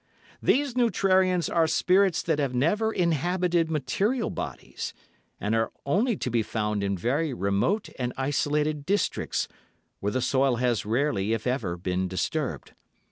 "These neutrarians are spirits that have never inhabited material bodies, and are only to be found in very remote and isolated districts, where the soil has rarely if ever been disturbed.